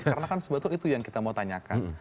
karena kan sebetulnya itu yang kita mau tanyakan